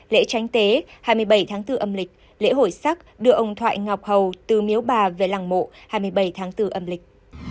lễ tránh tế hai mươi bảy tháng bốn âm lịch lễ hội sắc đưa ông thoại ngọc hầu từ miếu bà về làng mộ hai mươi bảy tháng bốn âm lịch